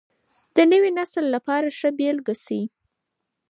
د نوي نسل لپاره ښه بېلګه شئ.